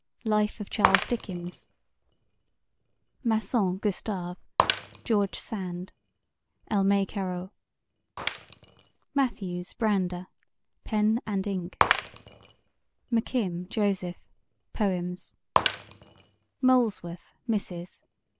Life of Charles Dickens MASSON, GUSTAVE: George Sand (Elme Caro) MATTHEWS, BRANDER: Pen and Ink MCKIM, JOSEPH: Poems MOLESWORTH, MRS.